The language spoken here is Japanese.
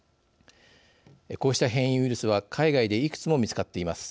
こうした変異ウイルスは海外でいくつも見つかっています。